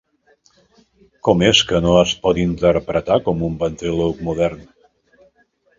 Com és que no es pot interpretar com un ventríloc modern?